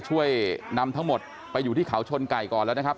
ช่วยนำทั้งหมดไปอยู่ที่เขาชนไก่ก่อนแล้วนะครับ